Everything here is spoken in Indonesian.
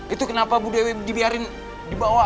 itu kenapa bu dewi dibiarin dibawa